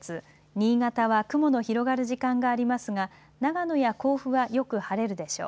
新潟は雲の広がる時間がありますが長野や甲府はよく晴れるでしょう。